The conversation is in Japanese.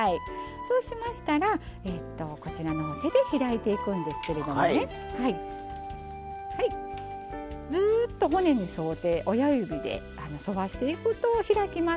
そうしましたら、手で開いていくんですけどもずっと骨に沿って親指でそらしていくと開きます。